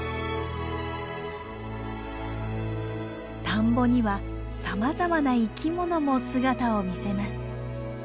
田んぼにはさまざまな生き物も姿を見せます。